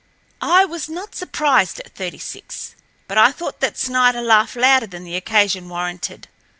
I was not surprised at Thirty six, but I thought that Snider laughed louder than the occasion warranted.